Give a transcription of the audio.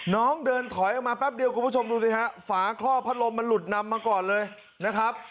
น้องเดินถอยออกมาแป๊บเดียวคุณผู้ชมดูสิฮะฝาคล่อพัดลมมันหลุดนำมาก่อนเลยนะครับ